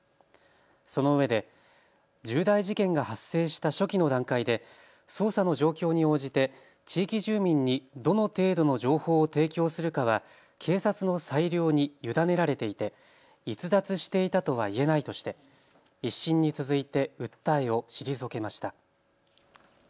そのうえで重大事件が発生した初期の段階で捜査の状況に応じて地域住民にどの程度の情報を提供するかは警察の裁量に委ねられていて逸脱していたとは言えないとして１審に続いて訴えを退けました。